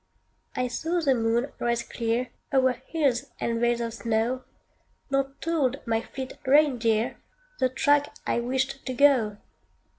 I saw the moon rise clear O'er hills and vales of snow Nor told my fleet reindeer The track I wished to go.